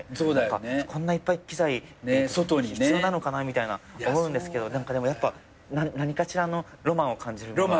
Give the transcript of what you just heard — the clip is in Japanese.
こんないっぱい機材必要なのかなみたいな思うんですけどでもやっぱ何かしらロマンを感じるものが。